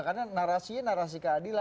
karena narasi nya narasi keadilan